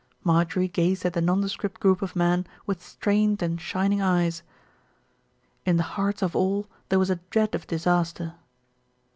Marjorie gazed at the nondescript group of men with strained and shining eyes. In the hearts of all there was a dread of disaster.